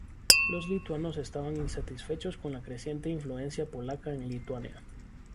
Los lituanos estaban insatisfechos con la creciente influencia polaca en Lituania.